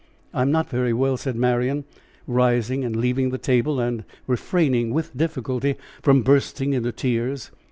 "I am not very well," said Marian, rising and leaving the table, and refraining with difficulty from bursting into tears.